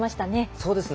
そうですね。